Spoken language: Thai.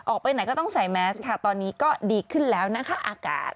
ออกไปไหนก็ต้องใส่แมสค่ะตอนนี้ก็ดีขึ้นแล้วนะคะอากาศ